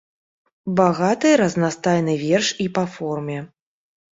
Багаты, разнастайны верш і па форме.